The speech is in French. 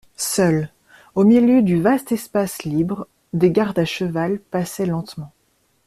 Seuls, au milieu du vaste espace libre, des gardes à cheval passaient lentement.